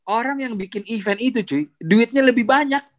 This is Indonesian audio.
orang yang bikin event itu cuy duitnya lebih banyak